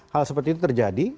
hal seperti itu terjadi